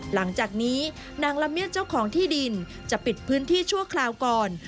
หลังจากนี้นางละเมียดเจ้าของที่ดินจะปิดพื้นที่ชั่วคราวก่อน